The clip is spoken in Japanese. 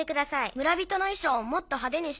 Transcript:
「村人のいしょうをもっとはでにしてほしい」。